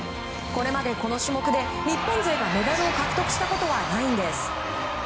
これまで、この種目で日本勢がメダルを獲得したことはないんです。